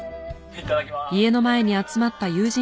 いただきます。